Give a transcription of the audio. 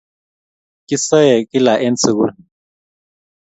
Kisae kile en sukul